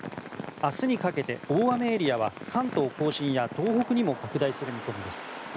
明日にかけて大雨エリアは関東・甲信や東北にも拡大する見込みです。